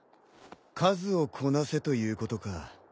数をこなせということか。